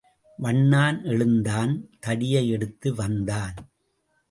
வண்ணான் எழுந்தான் தடியை எடுத்து வந்தான்.